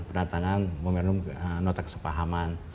penantangan memiliki nota kesepahaman